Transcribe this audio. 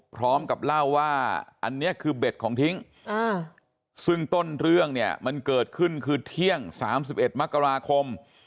พร้อมกับเล่าว่าอันนี้คือเบ็ดของทิ้งซึ่งต้นเรื่องเนี่ยมันเกิดขึ้นคือเที่ยง๓๑มกราคม